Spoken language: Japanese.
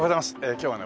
今日はね